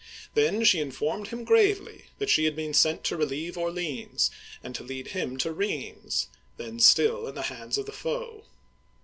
Then she informed him gravely that she had been sent to relieve Orleans, and to lead him to Rheims, then still in the hands of the foe.